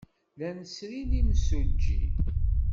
Llan srin imsujji.